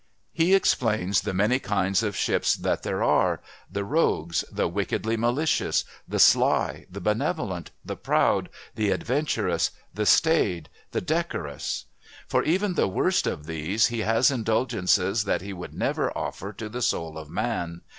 He explains the many kinds of ships that there are the rogues, the wickedly malicious, the sly, the benevolent, the proud, the adventurous, the staid, the decorous. For even the worst of these he has indulgences that he would never offer to the soul of man.